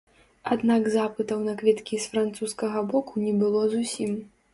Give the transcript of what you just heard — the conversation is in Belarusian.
Аднак запытаў на квіткі з французскага боку не было зусім.